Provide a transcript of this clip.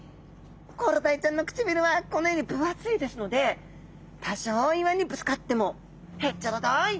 コロダイちゃんの唇はこのように分厚いですので多少岩にぶつかっても「へっちゃらだい。